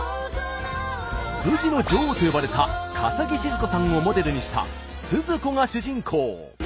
「ブギの女王」と呼ばれた笠置シヅ子さんをモデルにした鈴子が主人公。